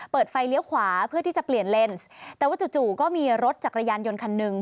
เปิดไฟเลี้ยวขวาเพื่อที่จะเปลี่ยนเลนส์แต่ว่าจู่จู่ก็มีรถจักรยานยนต์คันหนึ่ง